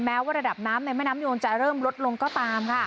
แม้ว่าระดับน้ำในแม่น้ำยนจะเริ่มลดลงก็ตามค่ะ